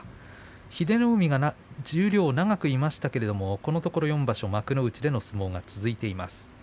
英乃海は十両、長くいましたけれどもこのところ４場所幕内での相撲が続いています。